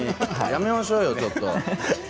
やめましょうよ、ちょっと。